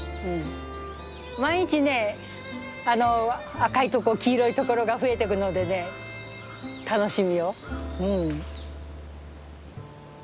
毎日ねあの赤いとこ黄色い所が増えてくのでね楽しみようん。